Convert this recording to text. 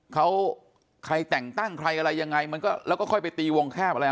เขาใครแต่งตั้งใครอะไรยังไงมันก็แล้วก็ค่อยไปตีวงแคบอะไรอ่ะ